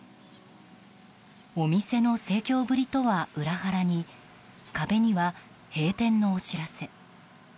お店の盛況ぶりとは裏腹に壁には閉店のお知らせ。